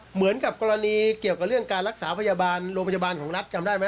เหมือนกับกรณีเกี่ยวกับเรื่องการรักษาพยาบาลโรงพยาบาลของรัฐจำได้ไหม